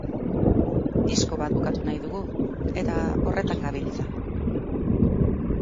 Disko bat bukatu nahi dugu, eta horretan gabiltza.